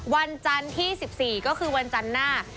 วันจันทร์ที่๑๔ก็คือวันจันทร์หน้า